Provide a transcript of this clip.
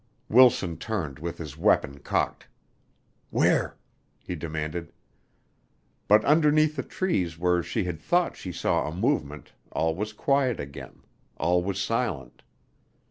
Wilson turned with his weapon cocked. "Where?" he demanded. But underneath the trees where she had thought she saw a movement all was quiet again all was silent.